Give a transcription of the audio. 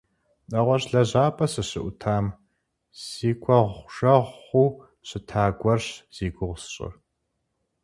Нэгъуэщӏ лэжьапӏэ сыщыӏутам си кӏуэгъужэгъуу щыта гуэрщ зи гугъу сщӏыр.